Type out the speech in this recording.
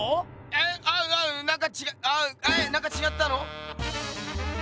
なんかちがったの？